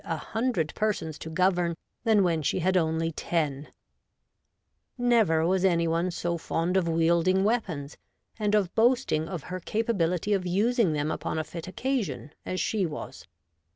a hundred persons to govern than when she had only ten Never was any one so fond of wielding weapons, and of boasting of her capability of using them upon a fit occasion, as she was.'